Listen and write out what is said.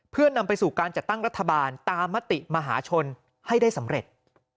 เพื่อนำไปสู่การจัดตั้งรัฐบาลตามมติมหาชนให้ได้สำเร็จ